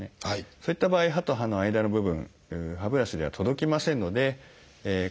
そういった場合歯と歯の間の部分歯ブラシでは届きませんのでこういったデンタルフロス